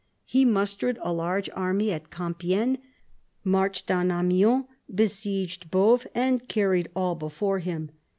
He mustered a large army at Compiegne, marched on Amiens, besieged Boves, and carried all before him.